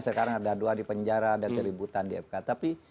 sekarang ada dua di penjara ada keributan di mk tapi